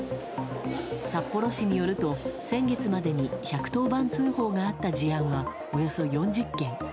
札幌市によると、先月までに１１０番通報があった事案はおよそ４０件。